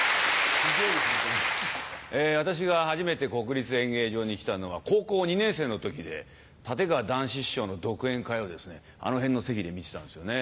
私が初めて国立演芸場に来たのは高校２年生の時で立川談志師匠の独演会をあの辺の席で見てたんですよね。